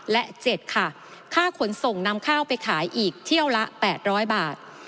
และเจ็ดค่ะค่าขนส่งนำข้าวไปขายอีกเที่ยวละแปดร้อยบาท